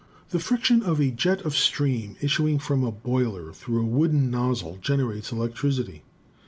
"The friction of a jet of steam issuing from a boiler, through a wooden nozzle, generates electricity.